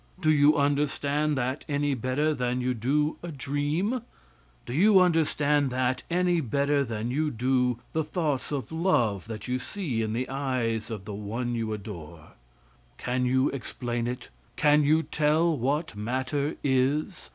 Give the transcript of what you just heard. Do you understand that any better than you do a dream? Do you understand that any better than you do the thoughts of love that you see in the eyes of the one you adore? Can you explain it? Can you tell what matter is?